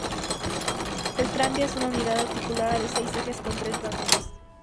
El tranvía es una unidad articulada de seis ejes con tres vagones.